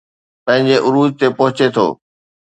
پنهنجي عروج تي پهچي ٿو